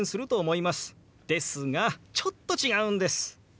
ですがちょっと違うんです。